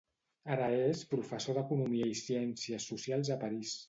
Ara és professor d'economia i ciències socials a París.